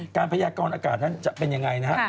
การพยากรอากาศนั่นจะเป็นอย่างไร